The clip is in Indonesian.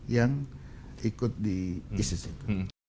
yang ikut di isis itu